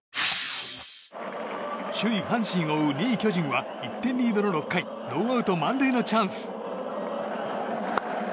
首位、阪神を追う２位、巨人は１点リードの６回ノーアウト満塁のチャンス。